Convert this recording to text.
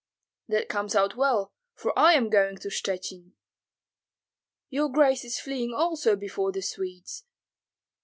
'" "That comes out well, for I am going to Shchuchyn." "Your grace is fleeing also before the Swedes?"